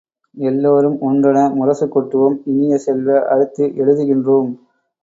எல்லாரும் ஒன்றென முரசு கொட்டுவோம் இனிய செல்வ, அடுத்து எழுதுகின்றோம்!